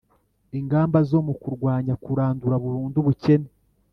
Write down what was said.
ingamba zo kurwanya kurandura burundu ubukene.